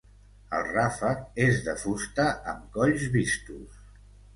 El ràfec és de fusta amb colls vistos.